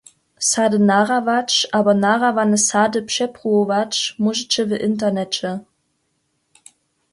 Sady nahrawać abo nahrawane sady přepruwować móžeće w interneće.